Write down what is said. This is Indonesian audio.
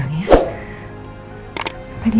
aku mau masuk kamar ya